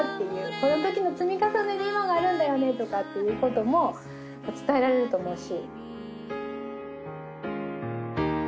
このときの積み重ねで今があるんだよねってことも伝えられると思うし。